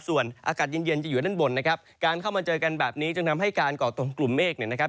ส่วนอากาศเย็นเย็นจะอยู่ด้านบนนะครับการเข้ามาเจอกันแบบนี้จึงทำให้การก่อตัวของกลุ่มเมฆเนี่ยนะครับ